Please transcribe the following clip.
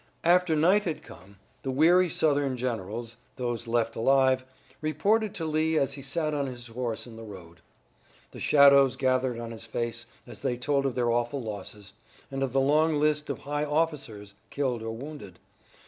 After night had come the weary Southern generals those left alive reported to Lee as he sat on his horse in the road. The shadows gathered on his face, as they told of their awful losses, and of the long list of high officers killed or wounded.